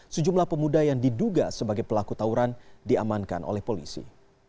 sejumlah pemuda yang diduga sebagai pelaku tawuran diamankan oleh polisi